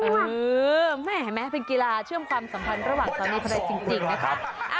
อื้อแหมแหมเป็นกีฬาเชื่อมความสัมพันธ์ระหว่างตอนนี้พอได้จริงนะครับ